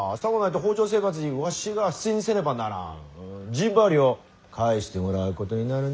陣羽織を返してもらうことになるに。